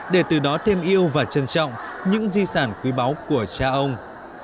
để từ đó thêm yêu và trân trọng những di sản quý báu của cha ông